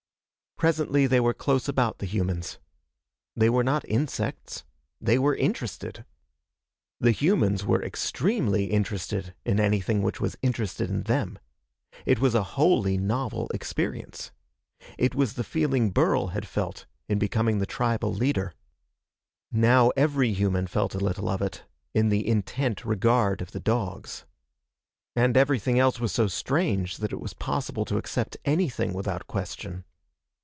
Presently they were close about the humans. They were not insects. They were interested. The humans were extremely interested in anything which was interested in them. It was a wholly novel experience. It was the feeling Burl had felt in becoming the tribal leader. Now every human felt a little of it, in the intent regard of the dogs. And everything else was so strange that it was possible to accept anything without question.